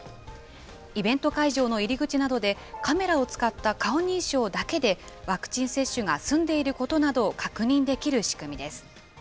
イベント会場の入り口などで、カメラを使った顔認証だけで、ワクチン接種が済んでいることなどを確認できる仕組みです。